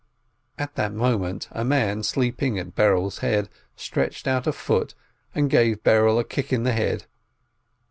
At that moment a man sleeping at Berel's head stretched out a foot, and gave Berel a kick in the head.